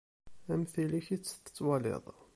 Am tili-k i tt-tettawiḍ.